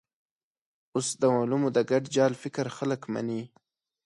اوس د علومو د ګډ جال فکر خلک مني.